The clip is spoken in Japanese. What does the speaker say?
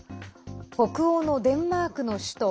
北欧のデンマークの首都